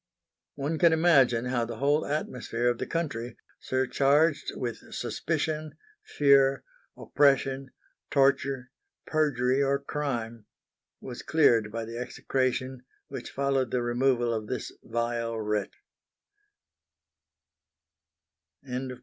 One can imagine how the whole atmosphere of the country surcharged with suspicion, fear, oppression, torture, perjury or crime was cleared by the execration which followed the removal of this vile wretch. VI.